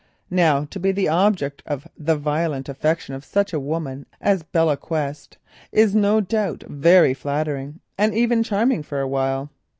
Now to be the object of the violent affection of such a woman as Belle Quest is no doubt very flattering and even charming for a while.